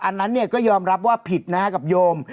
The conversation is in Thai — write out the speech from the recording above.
อันนั้นเนี่ยก็ยอมรับว่าผิดนะฮะกับโยม